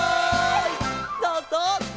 そうそう！